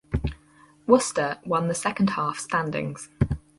Worcester won the second half standings.